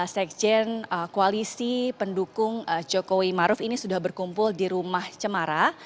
sekjen koalisi pendukung jokowi maruf ini sudah berkumpul di rumah cemara